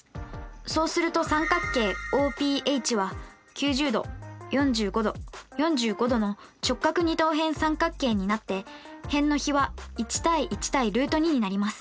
そうすると三角形ＯＰＨは９０°４５°４５°の直角二等辺三角形になって辺の比は１対１対ルート２になります。